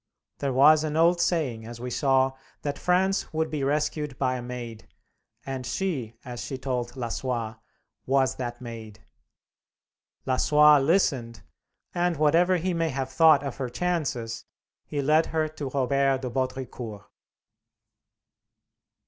There was an old saying, as we saw, that France would be rescued by a Maid, and she, as she told Lassois, was that Maid. Lassois listened, and, whatever he may have thought of her chances, he led her to Robert de Baudricourt.